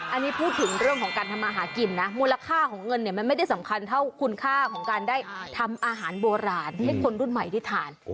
อันนี้พูดถึงเรื่องของการทำมาหากินนะมูลค่าของเงินเนี่ยมันไม่ได้สำคัญเท่าคุณค่าของการได้ทำอาหารโบราณให้คนรุ่นใหม่ได้ทาน